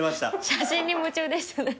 写真に夢中でしたね。